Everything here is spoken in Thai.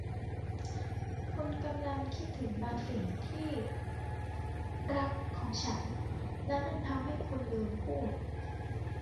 คุณกำลังคิดถึงบางสิ่งที่รักของฉันและนั่นทำให้คุณลืมพูด